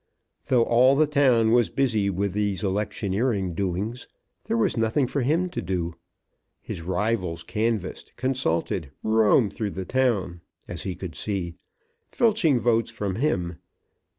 Though all the town was busy with these electioneering doings, there was nothing for him to do. His rivals canvassed, consulted, roamed through the town, as he could see, filching votes from him.